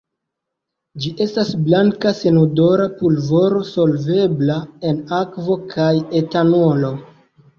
Ĝi estas blanka senodora pulvoro solvebla en akvo kaj etanolo.